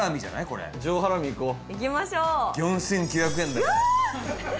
これ上ハラミいこういきましょう４９００円だようわー！